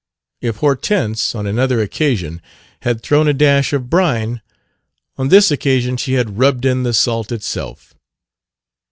If Hortense, on another occasion, had thrown a dash of brine, on this occasion she had rubbed in the salt itself.